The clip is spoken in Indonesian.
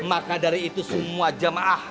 maka dari itu semua jamaah